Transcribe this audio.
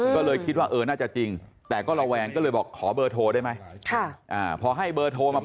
ก็เลยคิดว่าน่าจะจริงแต่ก็ระวังก็เลยบอกขอเบอร์โทรได้ไหม